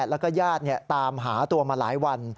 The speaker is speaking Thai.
แล้วก็ญาติตามหาตัวมาหลายวัน